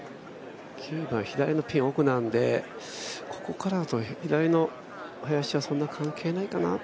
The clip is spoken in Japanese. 左のピン奥なんでここからだと左の林はそんな関係ないかな。